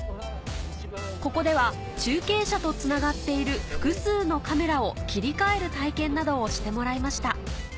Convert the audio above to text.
ここでは中継車とつながっている複数のカメラを切り替える体験などをしてもらいました